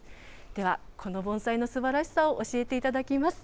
では、この盆栽のすばらしさを教えていただきます。